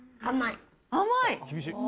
甘い？